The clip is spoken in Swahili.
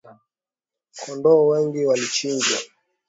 Kondoo wengi walichinjwa